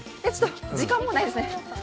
時間もうないですね。